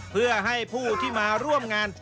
เพื่อให้ผู้ที่มาร่วมงาน